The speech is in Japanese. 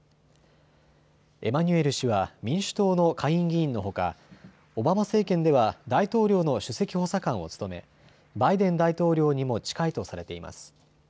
エマニュエル氏は民主党の下院議員のほかオバマ政権では大統領の首席補佐官を務めバイデン大統領にも近いとされています。